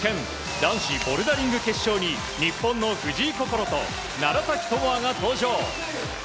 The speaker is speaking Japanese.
男子ボルダリング決勝に日本の藤井快と楢崎智亜が登場。